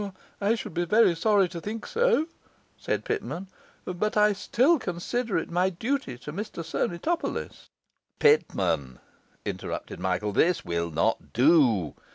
'I should be very sorry to think so,' said Pitman; 'but I still consider it my duty to Mr Sernitopolis. ..' 'Pitman,' interrupted Michael, 'this will not do.